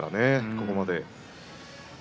ここまで。